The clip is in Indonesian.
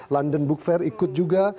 london book fair ikut juga